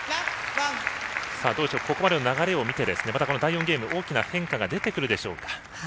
ここまでの流れを見てまた第４ゲーム、大きな変化が出てくるでしょうか？